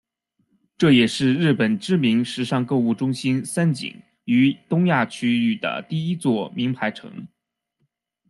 这也是日本知名时尚购物中心三井于东南亚区域的第一座名牌城。